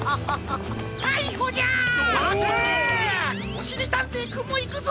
おしりたんていくんもいくぞ！